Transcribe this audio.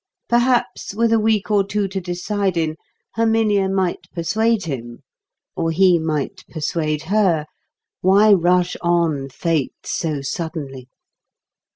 Perhaps, with a week or two to decide in, Herminia might persuade him; or he might persuade her. Why rush on fate so suddenly?